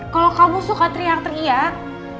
kalau kamu suka teriak teriak